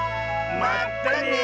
まったね！